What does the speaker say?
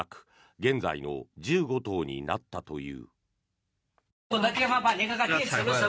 現在の１５頭になったという。